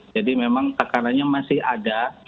jadi memang kekaranya masih ada